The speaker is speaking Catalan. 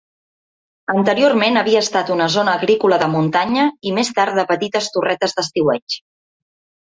Anteriorment havia estat una zona agrícola de muntanya i més tard de petites torretes d'estiueig.